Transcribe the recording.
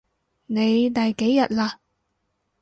你第幾日喇？